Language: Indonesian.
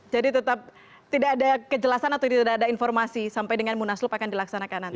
jadi tetap tidak ada kejelasan atau tidak ada informasi sampai dengan munas lup akan dilaksanakan nanti